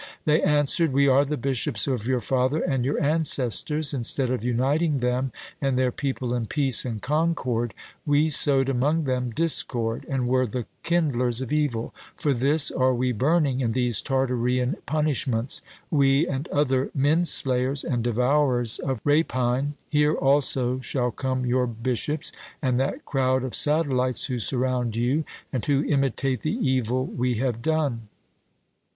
They answered, 'We are the bishops of your father and your ancestors; instead of uniting them and their people in peace and concord, we sowed among them discord, and were the kindlers of evil: for this are we burning in these Tartarean punishments; we, and other men slayers and devourers of rapine. Here also shall come your bishops, and that crowd of satellites who surround you, and who imitate the evil we have done.'